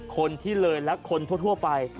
คนที่เลยและคนทั่วไป